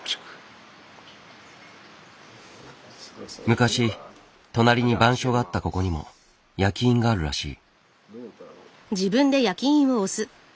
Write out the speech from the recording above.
昔隣に番所があったここにも焼き印があるらしい。